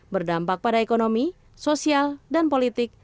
berdampak pada ekonomi sosial dan politik